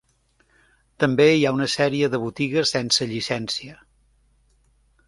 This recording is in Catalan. També hi ha una sèrie de botigues sense llicència.